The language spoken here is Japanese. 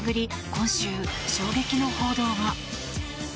今週、衝撃の報道が。